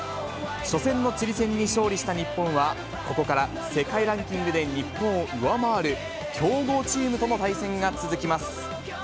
初戦のチリ戦に勝利した日本は、ここから世界ランキングで日本を上回る強豪チームとの対戦が続きます。